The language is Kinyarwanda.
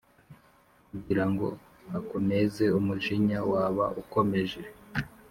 Kugira ngo akunezeUmujinya waba ukomeje